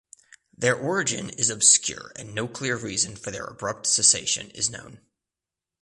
Their origin is obscure and no clear reason for their abrupt cessation is known.